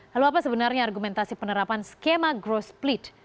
lalu apa sebenarnya argumentasi penerapan skema growth split